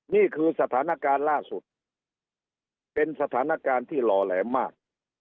นี่คือสถานการณ์ล่าสุดเป็นสถานการณ์ที่หล่อแหลมมาก